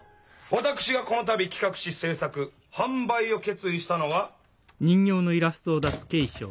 私がこの度企画し製作販売を決意したのは。